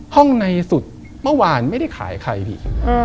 ในสุดเมื่อวานไม่ได้ขายใครพี่